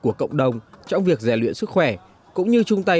của cộng đồng trong việc giải luyện sức khỏe cũng như chung tay